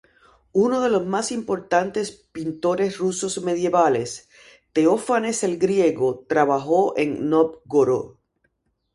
Uno de los más importantes pintores rusos medievales, Teófanes el griego, trabajó en Novgorod.